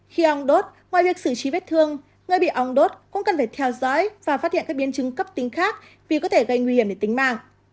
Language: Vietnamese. khi ong đốt ngoài việc xử trí vết thương người bị ong đốt cũng cần phải theo dõi và phát hiện các biến chứng cấp tính khác vì có thể gây nguy hiểm đến tính mạng